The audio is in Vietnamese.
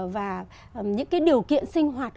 và những điều kiện sinh hoạt